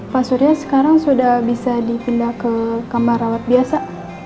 pak surya sekarang sudah bisa dipindah ke kamar rawat biasa